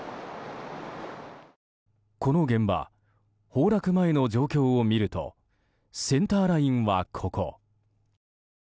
この現場、崩落前の状況を見るとセンターラインはここ。